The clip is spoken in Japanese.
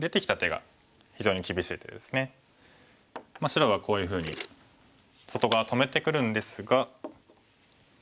白がこういうふうに外側止めてくるんですが。